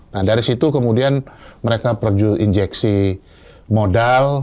nah dari situ kemudian mereka perlu injeksi modal